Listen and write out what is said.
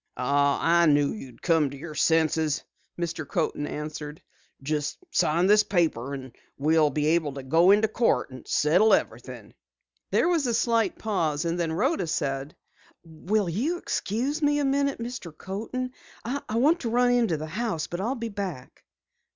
"Ah, I knew you would come to your senses," Mr. Coaten answered. "Just sign this paper and we'll be able to go into court and settle everything." There was a slight pause and then Rhoda said: "Will you excuse me a moment, Mr. Coaten? I want to run into the house, but I'll be back."